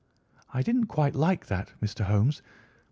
I didn't quite like that, Mr. Holmes.